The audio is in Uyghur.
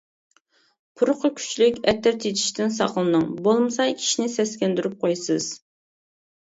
پۇرىقى كۈچلۈك ئەتىر چېچىشتىن ساقلىنىڭ، بولمىسا كىشىنى سەسكەندۈرۈپ قويىسىز.